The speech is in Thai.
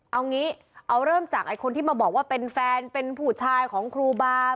เอางี้เอาเริ่มจากคนที่มาบอกว่าเป็นแฟนเป็นผู้ชายของครูบา